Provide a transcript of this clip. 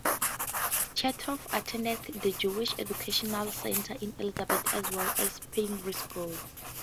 Chertoff attended the Jewish Educational Center in Elizabeth as well as the Pingry School.